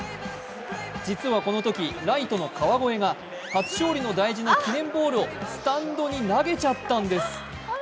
実はこのときライトの川越が初勝利の大事な記念ボールをスタンドに投げちゃったんです。